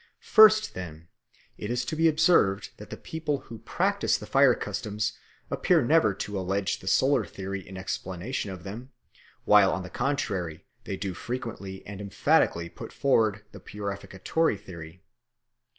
First, then, it is to be observed that the people who practise the fire customs appear never to allege the solar theory in explanation of them, while on the contrary they do frequently and emphatically put forward the purificatory theory.